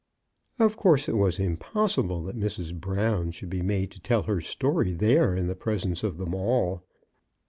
Of course it was impossible that Mrs. Brown should be made to tell her story there in the presence of them all.